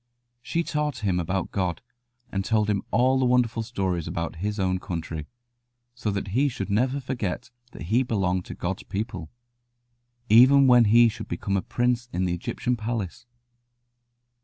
She taught him about God, and told him all the wonderful stories about his own country, so that he should never forget that he belonged to God's people, even when he should become a prince in the Egyptian palace.